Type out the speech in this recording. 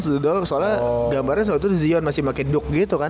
soalnya gambarnya waktu itu zion masih pake duke gitu kan